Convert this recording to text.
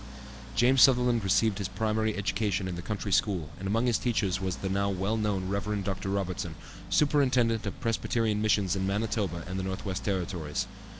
James Sutherland received his primary education in the country school, and among his teachers was the now well known Rev. Dr. Robertson, Superintendent of Presbyterian Missions in Manitoba and the North West Territories.